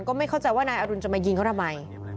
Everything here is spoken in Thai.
ก็ไม่เข้าใจว่านายอรุณจะมายิงเขาทำไม